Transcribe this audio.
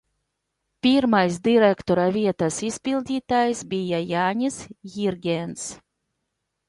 Pirmais direktora vietas izpildītājs bija Jānis Jirgens.